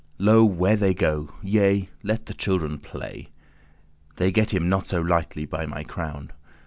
Lo where they go! yea, let the children play: They get him not so lightly, by my crown."